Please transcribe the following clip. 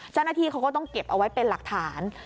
เจ้าหน้าที่เขาก็ต้องเก็บเอาไว้เป็นหลักฐาน